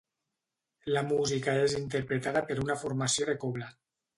La música és interpretada per una formació de cobla.